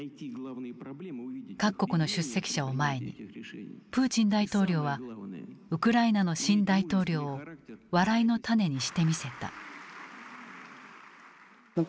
各国の出席者を前にプーチン大統領はウクライナの新大統領を笑いのタネにしてみせた。